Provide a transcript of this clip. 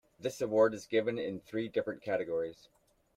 This award is given in three different categories.